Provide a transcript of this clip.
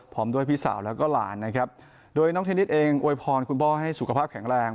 พร้อมด้วยพี่สาวแล้วก็หลานนะครับโดยน้องเทนนิสเองอวยพรคุณพ่อให้สุขภาพแข็งแรง